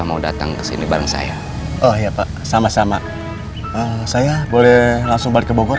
mau datang ke sini bareng saya oh ya pak sama sama saya boleh langsung balik ke bogor